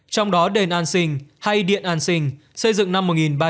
trong đó đền an sinh hay điện an sinh xây dựng năm một nghìn ba trăm tám mươi một